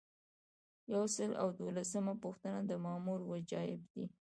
یو سل او دولسمه پوښتنه د مامور وجایب دي.